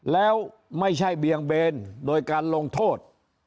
แล้วไม่ใช่เบียงเบนโดยการลงโทษ